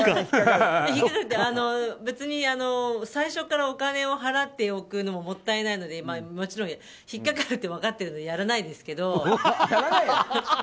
別に最初からお金を払っておくのももったいないので、もちろん引っかかるって分かってるのでやらないですけど。